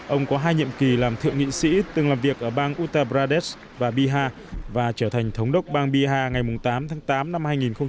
ông có hai nhiệm kỳ làm thượng nghị sĩ từng làm việc ở bang uttabradesh và bihar và trở thành thống đốc bang bihar ngày tám tháng tám năm hai nghìn một mươi chín